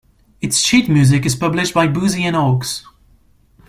Its sheet music is published by Boosey and Hawkes.